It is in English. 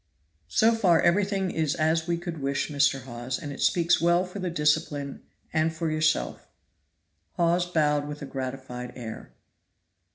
"So far everything is as we could wish, Mr. Hawes, and it speaks well for the discipline and for yourself." Hawes bowed with a gratified air.